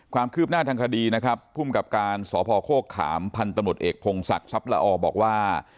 ความคืบหน้าทางคดีนะครับภูมิกับการสพโคกขามพันธมตเอกพงศักดิ์ทรัพย์ละออบอกว่า